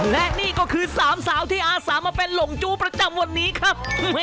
และนี่ก็คือ๓สาวที่อาสามาเป็นหลงจู้ประจำวันนี้ครับ